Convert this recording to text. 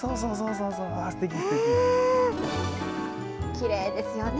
きれいですよね。